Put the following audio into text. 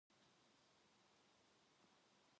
몇 시예요?